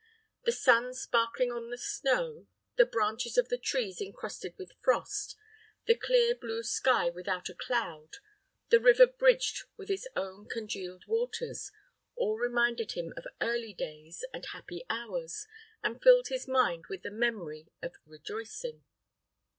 The sun sparkling on the snow, the branches of the trees incrusted with frost, the clear blue sky without a cloud, the river bridged with its own congealed waters, all reminded him of early days and happy hours, and filled his mind with the memory of rejoicing.